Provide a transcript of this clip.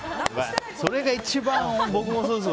それが一番、僕もそうですよ。